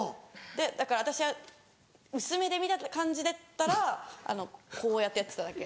でだから私は薄目で見た感じだったらこうやってやってただけ。